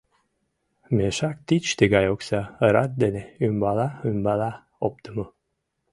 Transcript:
Мешак тич тыгай окса: рат дене, ӱмбала-ӱмбала оптымо...